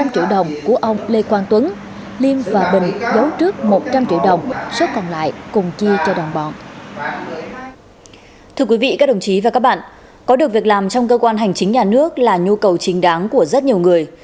thưa quý vị các đồng chí và các bạn có được việc làm trong cơ quan hành chính nhà nước là nhu cầu chính đáng của rất nhiều người